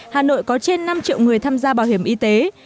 hà nội có trên năm triệu người tham gia bảo hiểm y tế